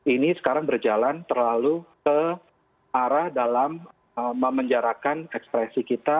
ini sekarang berjalan terlalu ke arah dalam memenjarakan ekspresi kita